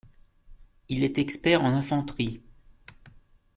Il est expert en infanterie.